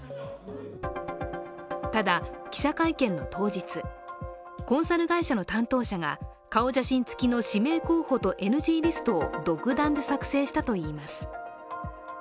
ただ、記者会見の当日コンサル会社の担当者が、顔写真つきの指名候補とＮＧリストを独断で作成したといいます。